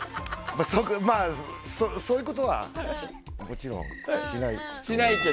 そういうことはもちろんしない。